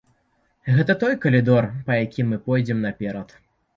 Гэта той калідор, па якім мы пойдзем наперад.